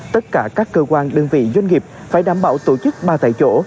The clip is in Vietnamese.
tất cả các cơ quan đơn vị doanh nghiệp phải đảm bảo tổ chức ba tại chỗ